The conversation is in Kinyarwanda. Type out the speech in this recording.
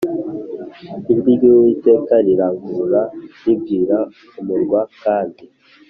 Ijwi ry Uwiteka rirangurura ribwira umurwa kandi